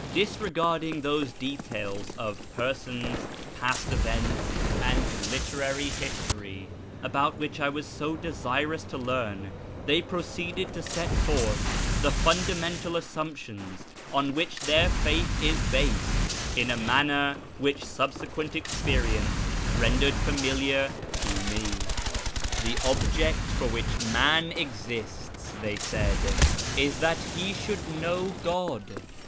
Dis regarding those details of persons, past events, and literary history about which I was so desirous to learn, they proceeded to set forth the fundamental assumptions on which their faith is based in a manner which subsequent experience rendered familiar to me. " The object for wdiich man exists," they said, " is that he should know God.